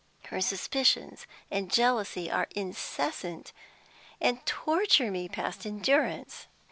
Her suspicions and jealousy are incessant, and torture me past endurance.